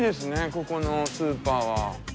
ここのスーパーは。